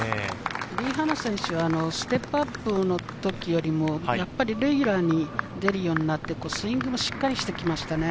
リ・ハナ選手はステップアップの時よりも、レギュラーに出るようになって、スイングもしっかりしてきましたね。